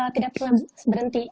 tidak pernah berhenti